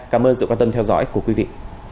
cảm ơn sự quan tâm theo dõi của quý vị